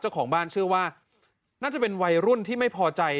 เจ้าของบ้านเชื่อว่าน่าจะเป็นวัยรุ่นที่ไม่พอใจ